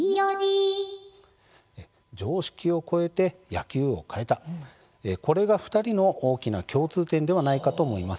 常識を超えて野球を変えたこれが２人の大きな共通点ではないかと思います。